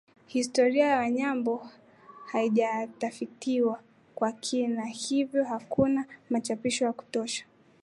Historia ya Wanyambo haijatafitiwa kwa kina na hivyo hakuna machapisho ya kutosha